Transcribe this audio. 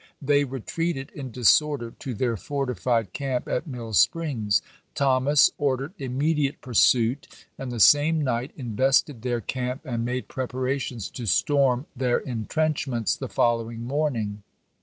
They retreated in disorder to their fortified camp at Mill Springs. Thomas ordered immediate pur suit, and the same night invested theii' camp and made preparations to storm their intrenchments the following morning.